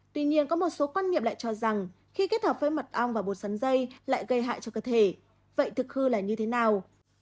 tuy nhiên có một số quan nghiệm lại cho rằng khi kết hợp với mật ong và bột sắn dây lại gây hại cho cơ thể vậy thực hư là như thế nào